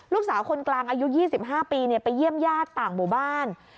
ลูกสาวคนกลางอายุ๒๕ปีไปเยี่ยมญาติต่างหมู่บ้าน